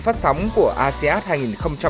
phát sóng của asean hai nghìn một mươi tám